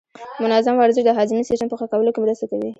منظم ورزش د هاضمې سیستم په ښه کولو کې مرسته کوي.